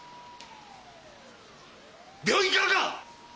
病院からか？